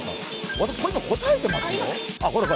私、これ、答えてますよ。